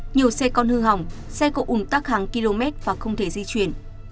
nhiều xe con hư hỏng xe cộng ủng tắc hàng km và không thể di chuyển